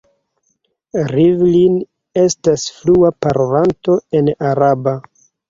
Rivlin estas flua parolanto en araba.